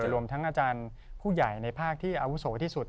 รวมทั้งอาจารย์ผู้ใหญ่ในภาคที่อาวุโสที่สุด